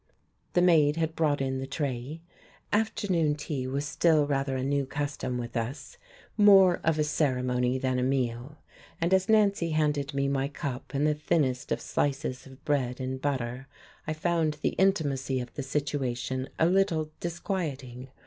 The maid had brought in the tray. Afternoon tea was still rather a new custom with us, more of a ceremony than a meal; and as Nancy handed me my cup and the thinnest of slices of bread and butter I found the intimacy of the situation a little disquieting.